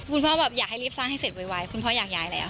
พ่อแบบอยากให้รีบสร้างให้เสร็จไวคุณพ่ออยากย้ายแล้ว